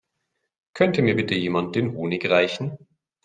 Könnte mir bitte jemand den Honig reichen?